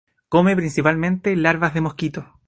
Come, principalmente, larvas de mosquito.